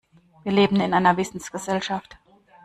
Wir leben in einer Wissensgesellschaft.